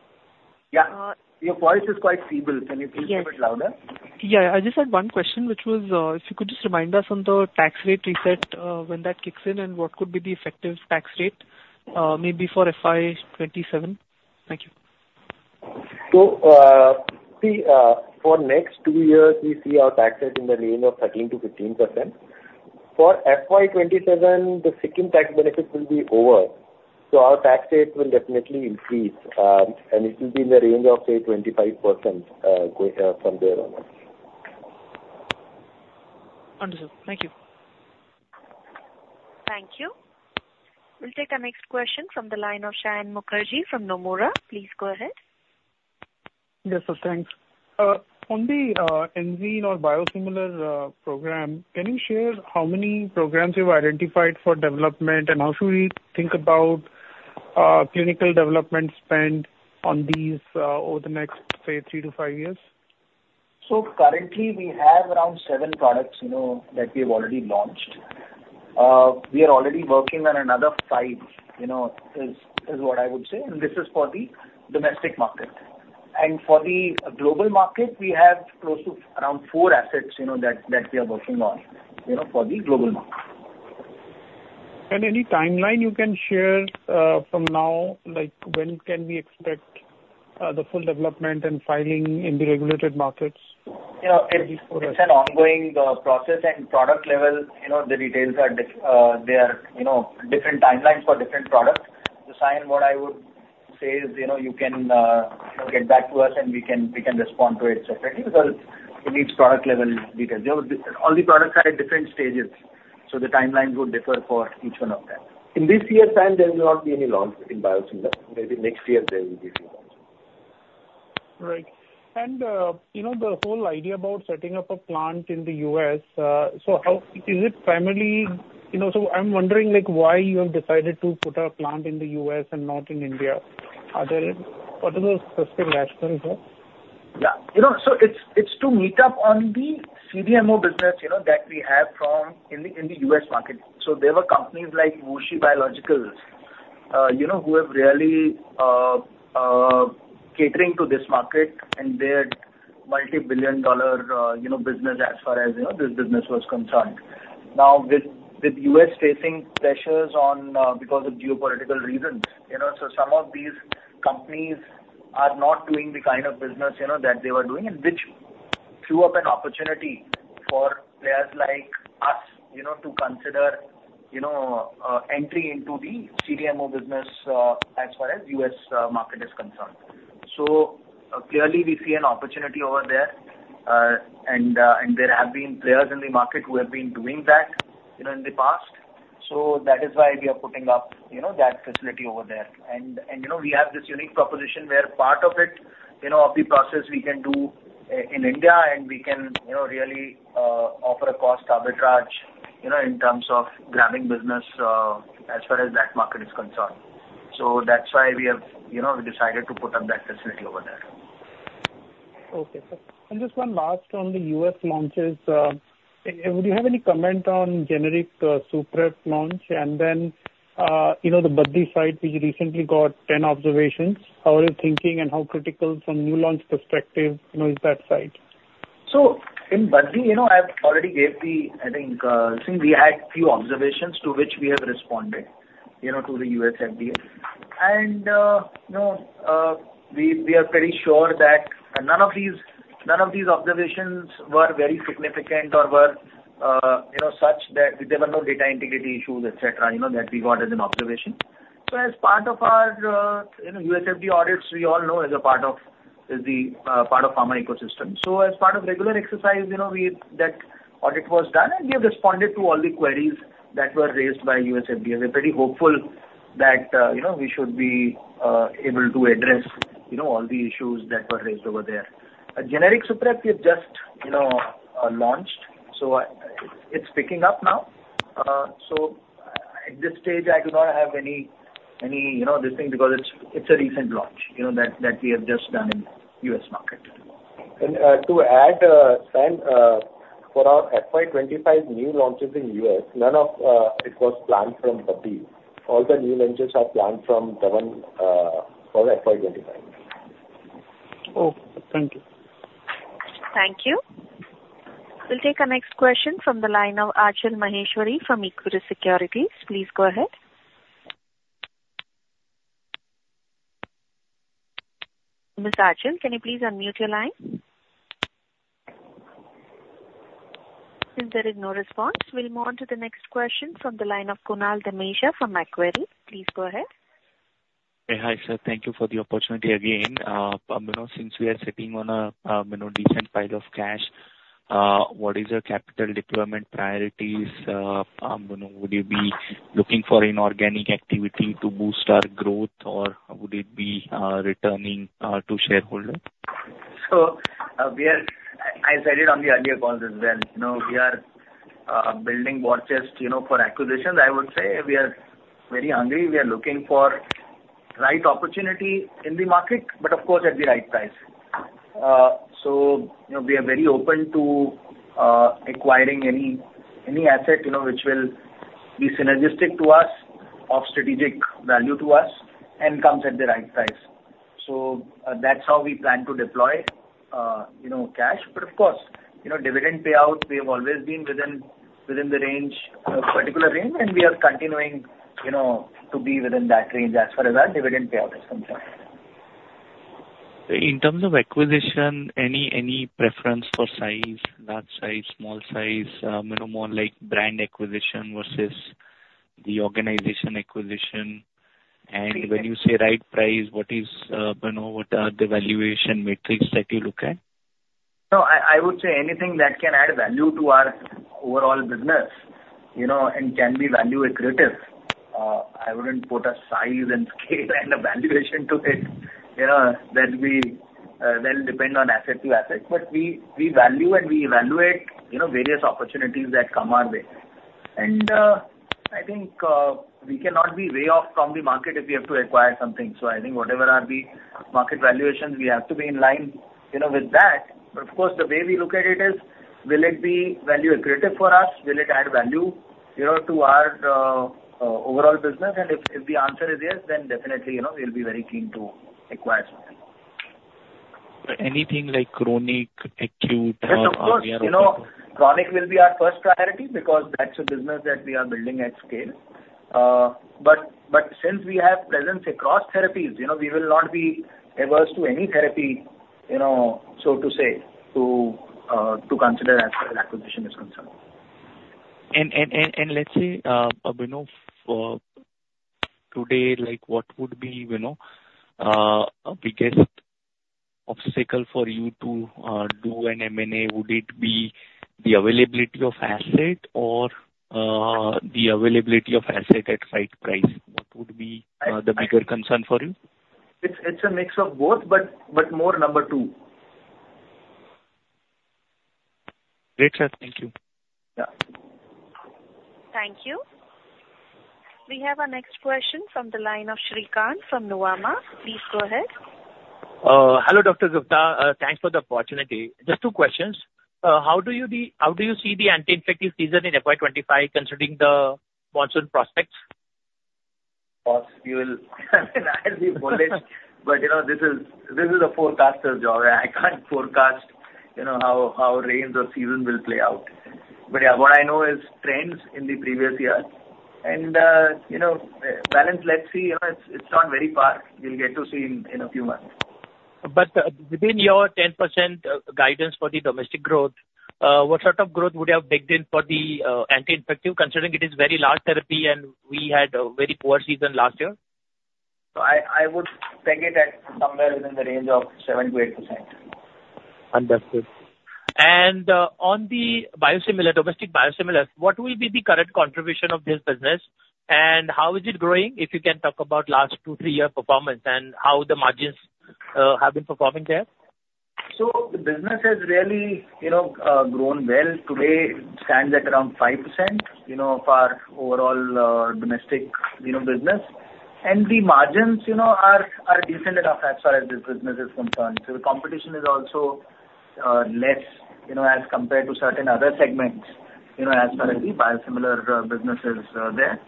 Yeah. Your voice is quite stable. Can you please make it louder? Yeah, yeah. I just had one question, which was if you could just remind us on the tax rate reset when that kicks in and what could be the effective tax rate maybe for FY27. Thank you. So see, for next two years, we see our tax rate in the range of 13%-15%. For FY27, the second tax benefit will be over. So our tax rate will definitely increase, and it will be in the range of, say, 25% from there onwards. Understood. Thank you. Thank you. We'll take our next question from the line of Saion Mukherjee from Nomura. Please go ahead. Yes, sir. Thanks. On the Enzene or biosimilar program, can you share how many programs you've identified for development, and how should we think about clinical development spend on these over the next, say, three to five years? Currently, we have around seven products that we have already launched. We are already working on another five is what I would say, and this is for the domestic market. For the global market, we have close to around four assets that we are working on for the global market. Any timeline you can share from now? When can we expect the full development and filing in the regulated markets? It's an ongoing process, and product-level, the details are, there are different timelines for different products. So Saion, what I would say is you can get back to us, and we can respond to it separately because it needs product-level details. All the products are at different stages, so the timelines would differ for each one of them. In this year's time, there will not be any launch in biosimilar. Maybe next year, there will be a few launches. Right. The whole idea about setting up a plant in the U.S., so is it primarily so I'm wondering why you have decided to put a plant in the U.S. and not in India? What are the specific rationales there? Yeah. So it's to meet up on the CDMO business that we have in the U.S. market. So there were companies like WuXi Biologics who have really catered to this market, and they're multi-billion-dollar business as far as this business was concerned. Now, with the U.S. facing pressures because of geopolitical reasons, so some of these companies are not doing the kind of business that they were doing, which threw up an opportunity for players like us to consider entry into the CDMO business as far as the U.S. market is concerned. So clearly, we see an opportunity over there, and there have been players in the market who have been doing that in the past. So that is why we are putting up that facility over there. We have this unique proposition where part of the process we can do in India, and we can really offer a cost arbitrage in terms of grabbing business as far as that market is concerned. That's why we have decided to put up that facility over there. Okay, sir. Just one last on the U.S. launches. Would you have any comment on generic Suprep launch? And then the Baddi site, which recently got 10 observations, how are you thinking, and how critical from a new launch perspective is that site? So in Baddi, I already gave the. I think we had a few observations to which we have responded to the U.S. FDA. And we are pretty sure that none of these observations were very significant or were such that there were no data integrity issues, etc., that we got as an observation. So as part of our U.S. FDA audits, we all know as a part of pharma ecosystem. So as part of regular exercise, that audit was done, and we have responded to all the queries that were raised by U.S. FDA. We're pretty hopeful that we should be able to address all the issues that were raised over there. Generic Suprep, we have just launched, so it's picking up now. So at this stage, I do not have any this thing because it's a recent launch that we have just done in the U.S. market. To add, Saion, for our FY25 new launches in the U.S., none of it was planned from Baddi. All the new ventures are planned from the one for FY25. Oh, thank you. Thank you. We'll take our next question from the line of Aachan Maheshwari from Equity Securities. Please go ahead. Ms. Aachan, can you please unmute your line? Since there is no response, we'll move on to the next question from the line of Kunal Dhamesha from Macquarie. Please go ahead. Hi, sir. Thank you for the opportunity again. Since we are sitting on a decent pile of cash, what is your capital deployment priorities? Would you be looking for inorganic activity to boost our growth, or would it be returning to shareholders? As I did on the earlier calls as well, we are building a war chest for acquisitions. I would say we are very hungry. We are looking for the right opportunity in the market, but of course, at the right price. So we are very open to acquiring any asset which will be synergistic to us, of strategic value to us, and comes at the right price. So that's how we plan to deploy cash. But of course, dividend payout, we have always been within the particular range, and we are continuing to be within that range as far as our dividend payout is concerned. In terms of acquisition, any preference for size, large size, small size, more like brand acquisition versus the organization acquisition? And when you say right price, what is what are the valuation metrics that you look at? No, I would say anything that can add value to our overall business and can be value accretive. I wouldn't put a size and scale and a valuation to it that we then depend on asset to asset. But we value, and we evaluate various opportunities that come our way. And I think we cannot be way off from the market if we have to acquire something. So I think whatever are the market valuations, we have to be in line with that. But of course, the way we look at it is, will it be value accretive for us? Will it add value to our overall business? And if the answer is yes, then definitely, we'll be very keen to acquire something. Anything like chronic, acute? Yes, of course. Chronic will be our first priority because that's a business that we are building at scale. But since we have presence across therapies, we will not be averse to any therapy, so to say, to consider as far as acquisition is concerned. Let's say today, what would be a biggest obstacle for you to do an M&A? Would it be the availability of asset or the availability of asset at right price? What would be the bigger concern for you? It's a mix of both, but more number two. Great, sir. Thank you. Thank you. We have our next question from the line of Shrikant from Nuvama. Please go ahead. Hello, Dr. Vikas Gupta. Thanks for the opportunity. Just two questions. How do you see the anti-infective season in FY25 considering the monsoon prospects? Of course, I mean, I'll be bullish, but this is a forecaster's job. I can't forecast how rains or season will play out. But yeah, what I know is trends in the previous year. And balance, let's see. It's not very far. We'll get to see in a few months. Within your 10% guidance for the domestic growth, what sort of growth would you have baked in for the anti-infective considering it is very large therapy and we had a very poor season last year? I would peg it at somewhere within the range of 7%-8%. Understood. On the domestic biosimilar, what will be the current contribution of this business, and how is it growing if you can talk about last two to three-year performance and how the margins have been performing there? The business has really grown well. Today, it stands at around 5% of our overall domestic business. The margins are decent enough as far as this business is concerned. The competition is also less as compared to certain other segments as far as the biosimilar businesses there.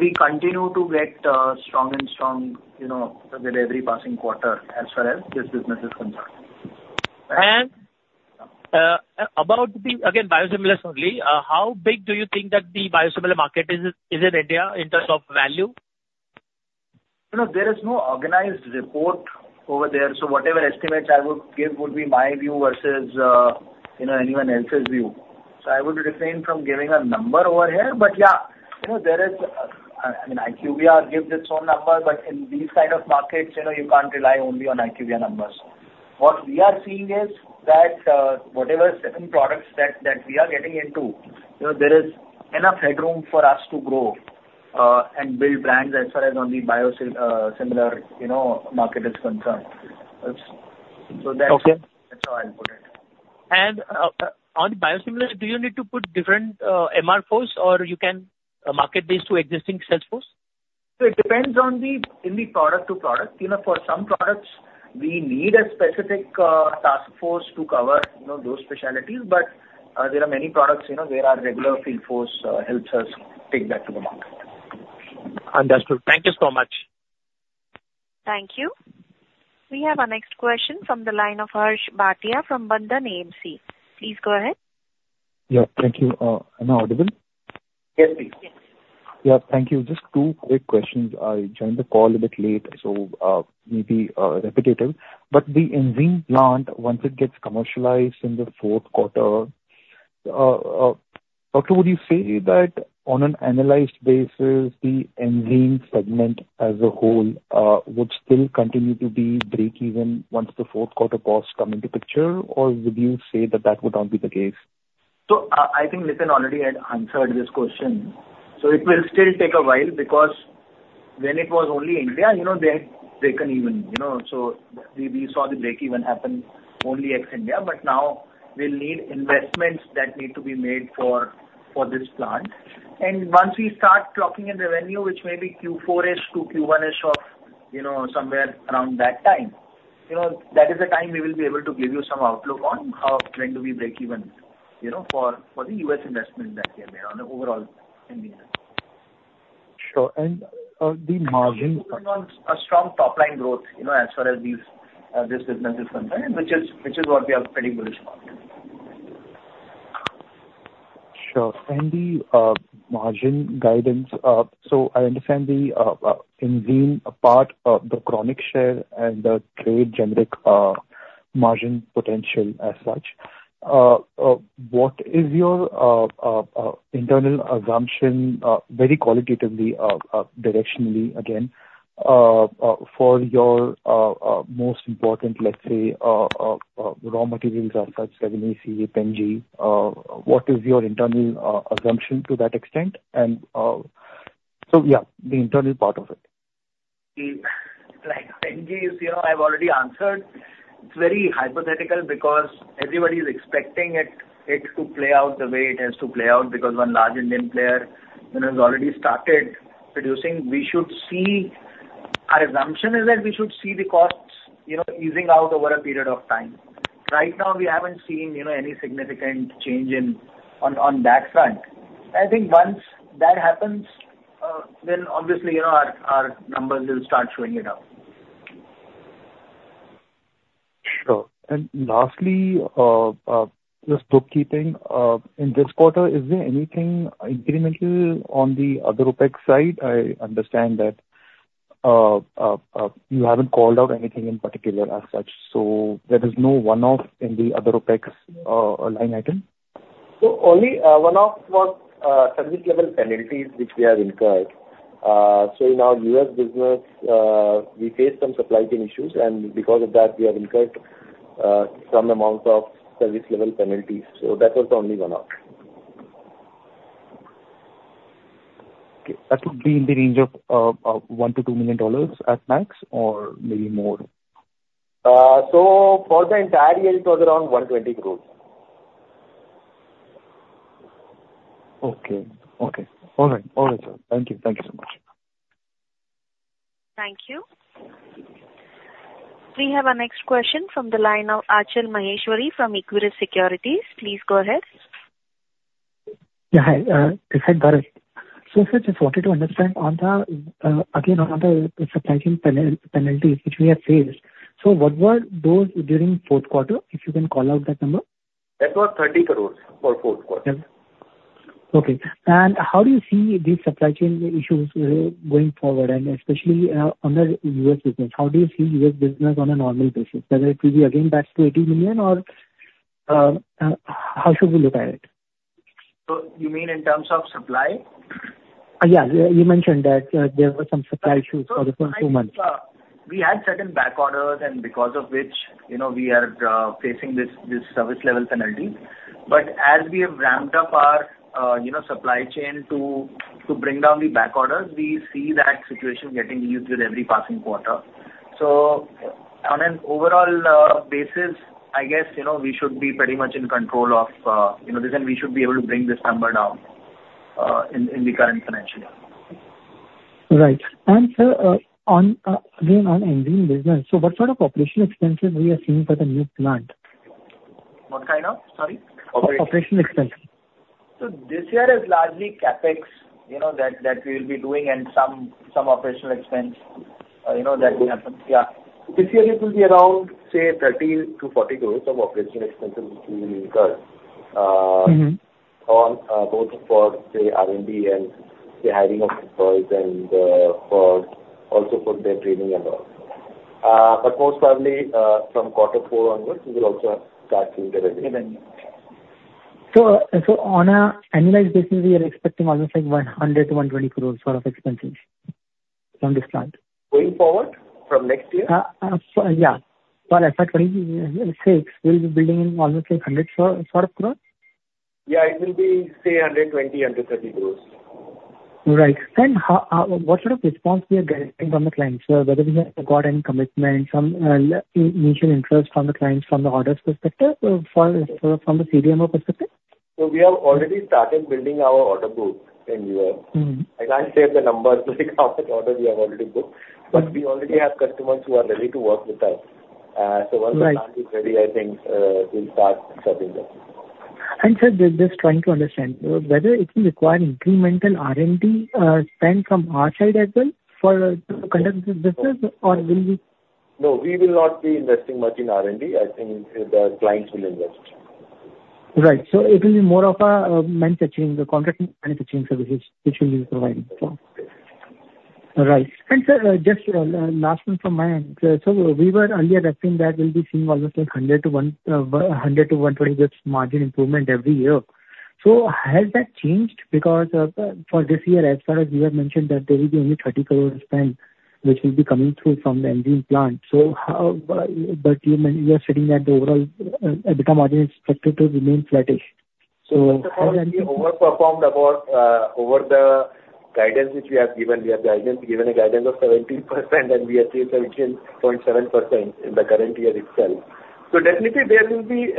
We continue to get strong and strong with every passing quarter as far as this business is concerned. About the again, biosimilars only, how big do you think that the biosimilar market is in India in terms of value? There is no organized report over there. So whatever estimates I would give would be my view versus anyone else's view. So I would refrain from giving a number over here. But yeah, there is, I mean, IQVIA gives its own number, but in these kind of markets, you can't rely only on IQVIA numbers. What we are seeing is that whatever certain products that we are getting into, there is enough headroom for us to grow and build brands as far as on the biosimilar market is concerned. So that's how I'll put it. On biosimilar, do you need to put different MRs, or you can market these to existing sales force? So it depends on the product to product. For some products, we need a specific task force to cover those specialties, but there are many products where our regular field force helps us take that to the market. Understood. Thank you so much. Thank you. We have our next question from the line of Harsh Bhatia from Bandhan AMC. Please go ahead. Yeah, thank you. Am I audible? Yes, please. Yes. Yeah, thank you. Just two quick questions. I joined the call a bit late, so maybe repetitive. But the Enzene plant, once it gets commercialized in the fourth quarter, how would you say that on an analyzed basis, the Enzene segment as a whole would still continue to be break-even once the fourth quarter costs come into picture, or would you say that that would not be the case? I think Nitin already had answered this question. It will still take a while because when it was only India, they had break-even. We saw the break-even happen only ex-India. But now, we'll need investments that need to be made for this plant. And once we start clocking in revenue, which may be Q4-ish to Q1-ish of somewhere around that time, that is the time we will be able to give you some outlook on when do we break-even for the U.S. investment that we have made on the overall Indian. Sure. And the margins. Depending on a strong top-line growth as far as this business is concerned, which is what we are pretty bullish about. Sure. And the margin guidance, so I understand the Enzene part of the chronic share and the trade generic margin potential as such. What is your internal assumption, very qualitatively, directionally, again, for your most important, let's say, raw materials as such like NAC, PENG? What is your internal assumption to that extent? And so yeah, the internal part of it. Like PENG, I've already answered. It's very hypothetical because everybody is expecting it to play out the way it has to play out because one large Indian player has already started producing. We should see. Our assumption is that we should see the costs easing out over a period of time. Right now, we haven't seen any significant change on that front. I think once that happens, then obviously, our numbers will start showing it up. Sure. And lastly, just bookkeeping, in this quarter, is there anything incremental on the other OPEX side? I understand that you haven't called out anything in particular as such. So there is no one-off in the other OPEX line item? So only one-off was service-level penalties which we have incurred. So in our U.S. business, we faced some supply chain issues, and because of that, we have incurred some amounts of service-level penalties. So that was the only one-off. Okay. That would be in the range of $1 million-$2 million at max or maybe more? For the entire year, it was around 120 crore. Okay. Okay. All right. All right, sir. Thank you. Thank you so much. Thank you. We have our next question from the line of Aanchal Maheshwari from Equirus Securities. Please go ahead, Yeah, hi. Hi, this is Celly Bharat. So sir, just wanted to understand, again, on the supply chain penalties which we have faced, so what were those during fourth quarter, if you can call out that number? That was 30 crore for fourth quarter. Okay. And how do you see these supply chain issues going forward, and especially on the U.S. business? How do you see U.S. business on a normal basis, whether it will be again back to $80 million, or how should we look at it? So you mean in terms of supply? Yeah. You mentioned that there were some supply issues for the first two months. So we had certain backorders, and because of which, we are facing these service-level penalties. But as we have ramped up our supply chain to bring down the backorders, we see that situation getting eased with every passing quarter. So on an overall basis, I guess we should be pretty much in control of this, and we should be able to bring this number down in the current financial year. Right. And sir, again, on Enzene business, so what sort of operational expenses are we seeing for the new plant? What kind of? Sorry? Operations. Operational expenses. So this year is largely CapEx that we will be doing and some operational expense that will happen. Yeah. This year, it will be around, say, 30-40 crores of operational expenses which we will incur both for, say, R&D and the hiring of employees and also for their training and all. But most probably, from quarter four onwards, we will also start seeing the revenue. Revenue. So on an annualized basis, we are expecting almost like 100 crore-120 crore sort of expenses from this plant. Going forward? From next year? Yeah. Sorry, I said 26. We'll be building in almost like 100 crore sort of? Yeah, it will be, say, 120 crore- 130 crore. Right. And what sort of response we are getting from the clients, whether we have got any commitment, some initial interest from the clients from the orders perspective or from the CDMO perspective? So we have already started building our order book in U.S. I can't share the numbers like how much order we have already booked, but we already have customers who are ready to work with us. So once the plant is ready, I think we'll start serving them. Sir, just trying to understand, whether it will require incremental R&D spend from our side as well to conduct this business, or will we? No, we will not be investing much in R&D. I think the clients will invest. Right. So it will be more of a manufacturing, the contract manufacturing services which we'll be providing. Right. And sir, just last one from my end. So we were earlier asking that we'll be seeing almost like 100-120 this margin improvement every year. So has that changed? Because for this year, as far as you have mentioned that there will be only 30 crore spent which will be coming through from the Enzene plant. But you are stating that the overall EBITDA margin is expected to remain flattish. So has that changed? So how do we overperform over the guidance which we have given? We have given a guidance of 17%, and we achieved 17.7% in the current year itself. So definitely, there will be,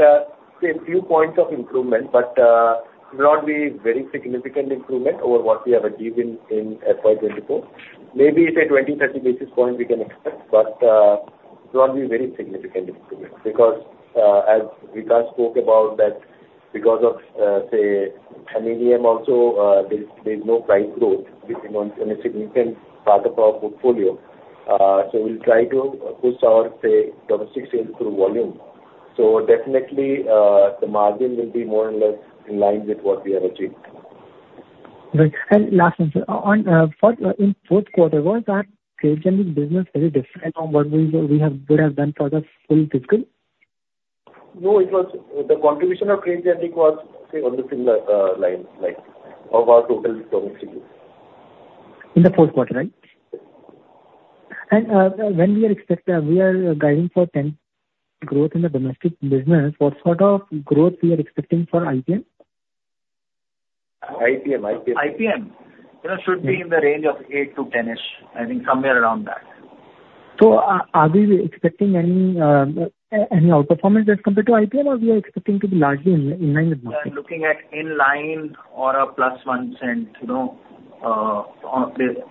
say, a few points of improvement, but it will not be a very significant improvement over what we have achieved in FY2024. Maybe, say, 20, 30 basis points we can expect, but it will not be a very significant improvement because, as Vikas spoke about, that because of, say, NLEM also, there's no price growth on a significant part of our portfolio. So we'll try to push our, say, domestic sales through volume. So definitely, the margin will be more or less in line with what we have achieved. Right. Last one, sir, in fourth quarter, was that trade generics business very different from what we would have done for the full fiscal? No, the contribution of trade generics was, say, on the similar line of our total domestic use. In the fourth quarter, right? And when we are guiding for 10% growth in the domestic business, what sort of growth we are expecting for IPM? IPM, IPM. IPM should be in the range of eight to 10-ish. I think somewhere around that. Are we expecting any outperformance as compared to IPM, or we are expecting to be largely in line with market? Looking at in line or a +1%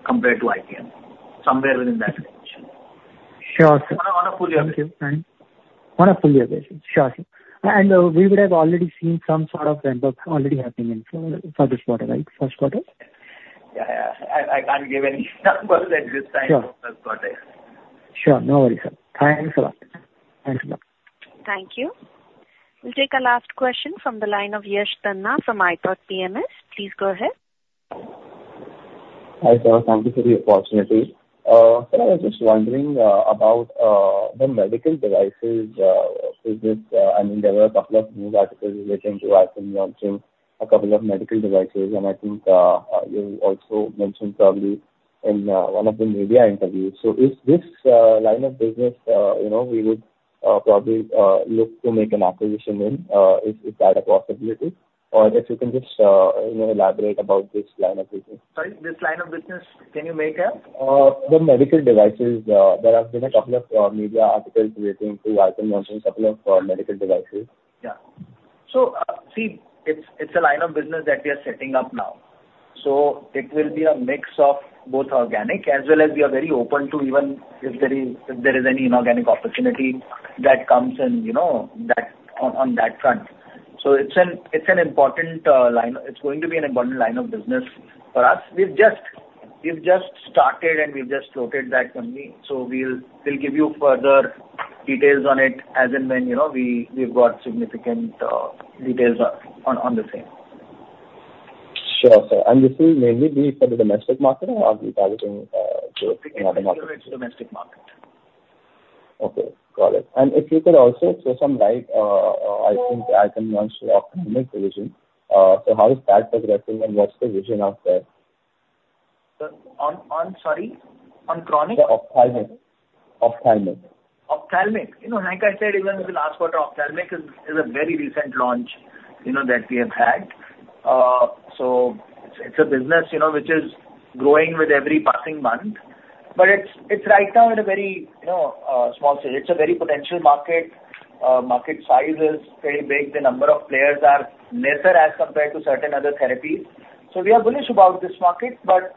compared to IPM, somewhere within that range. Sure, sir. On a fully average. Thank you. Fine. On a fully average. Sure, sir. And we would have already seen some sort of ramp-up already happening for this quarter, right, first quarter? Yeah, yeah. I can't give any numbers at this time of the quarter. Sure. No worries, sir. Thanks a lot. Thanks a lot. Thank you. We'll take a last question from the line of Yash Tanna from iThought PMS. Please go ahead. Hi, sir. Thank you for the opportunity. Sir, I was just wondering about the medical devices business. I mean, there were a couple of news articles relating to iPhone launching a couple of medical devices, and I think you also mentioned probably in one of the media interviews. So is this line of business we would probably look to make an acquisition in? Is that a possibility? Or if you can just elaborate about this line of business. Sorry? This line of business, can you make up? The medical devices. There have been a couple of media articles relating to iPhone launching a couple of medical devices. Yeah. So see, it's a line of business that we are setting up now. So it will be a mix of both organic, as well as we are very open to even if there is any inorganic opportunity that comes on that front. So it's an important line. It's going to be an important line of business for us. We've just started, and we've just floated that only. So we'll give you further details on it as and when we've got significant details on the same. Sure, sir. This will mainly be for the domestic market, or are we targeting to another market? It will be primarily for the domestic market. Okay. Got it. And if you could also shed some light, I think, Alkem launched the Ophthalmic division. So how is that progressing, and what's the vision out there? Sorry? On chronic? The Ophthalmic. Ophthalmic. Ophthalmic. Like I said, even in the last quarter, Ophthalmic is a very recent launch that we have had. So it's a business which is growing with every passing month. But it's right now at a very small stage. It's a very potential market. Market size is very big. The number of players are lesser as compared to certain other therapies. So we are bullish about this market, but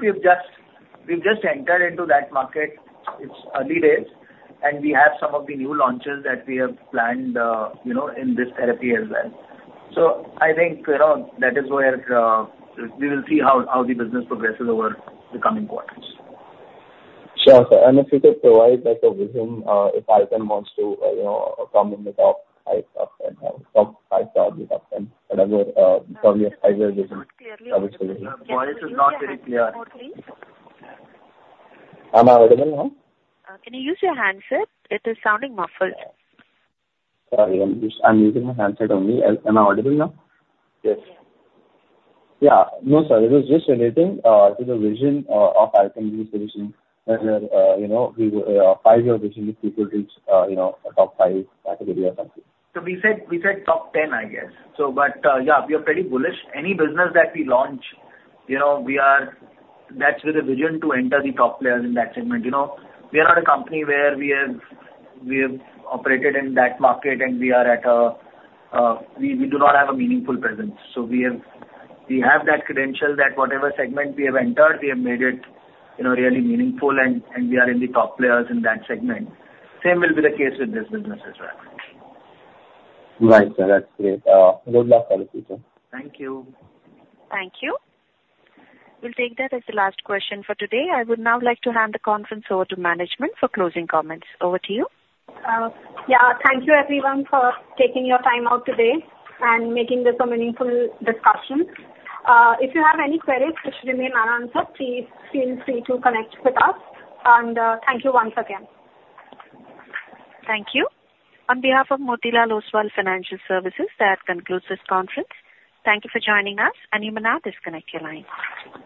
we've just entered into that market. It's early days, and we have some of the new launches that we have planned in this therapy as well. So I think that is where we will see how the business progresses over the coming quarters. Sure, sir. And if you could provide a vision if iPhone wants to come in with Ophthalmic or with Ophthalmic, whatever, probably a five-year vision. You're not clearly audible. Voice is not very clear. I'm audible now? Can you use your handset? It is sounding muffled. Sorry. I'm using my handset only. Am I audible now? Yes. Yeah. No, sir. It was just relating to the vision of Alkem division, whether in a five year vision, if it'll reach a top 5 category or something. So we said top 10, I guess. But yeah, we are pretty bullish. Any business that we launch, that's with a vision to enter the top players in that segment. We are not a company where we have operated in that market, and we do not have a meaningful presence. So we have that credential that whatever segment we have entered, we have made it really meaningful, and we are in the top players in that segment. Same will be the case with this business as well. Right, sir. That's great. Good luck for the future. Thank you. Thank you. We'll take that as the last question for today. I would now like to hand the conference over to management for closing comments. Over to you. Yeah. Thank you, everyone, for taking your time out today and making this a meaningful discussion. If you have any queries which remain unanswered, please feel free to connect with us. Thank you once again. Thank you. On behalf of Motilal Oswal Financial Services, that concludes this conference. Thank you for joining us, and you may now disconnect your line.